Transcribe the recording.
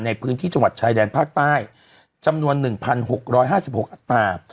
ในพื้นที่จังหวัดชายแดนภาคใต้จำนวน๑๖๕๖อัตรา